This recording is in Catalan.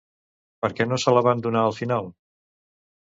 Per què no se la van donar al final?